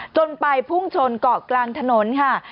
จนไปพุ่งชนเกาะกลางถนนค่ะ